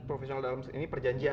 profesional dalam ini perjanjian